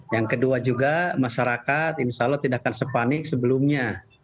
yang kedua juga masyarakat insya allah tidak akan sepanik sebelumnya